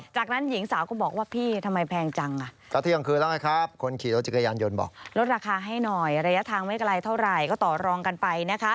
จากนั้นหญิงสาวก็บอกว่าพี่ทำไมแพงจังอ่ะ